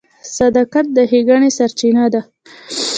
• صداقت د ښېګڼې سرچینه ده.